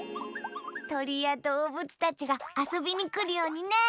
とりやどうぶつたちがあそびにくるようにね！